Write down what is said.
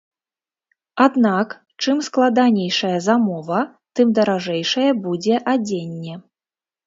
Аднак, чым складанейшая замова, тым даражэйшае будзе адзенне.